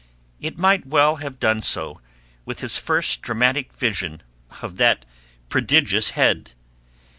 It might well have done so with his first dramatic vision of that prodigious head.